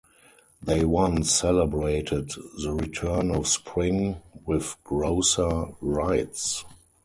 They once celebrated the return of spring with grosser rites.